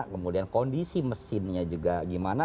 kemudian kondisi mesinnya juga gimana